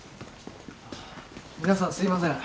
皆さんすいません。